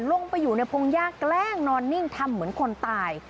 ลงไปอยู่ในพงหญ้าแกล้งนอนนิ่งทำเหมือนคนตาย